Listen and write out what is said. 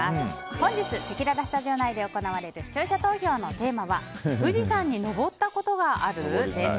本日、せきららスタジオ内で行われる視聴者投票のテーマは富士山に登ったことがある？です。